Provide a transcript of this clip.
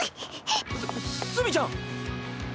す墨ちゃん！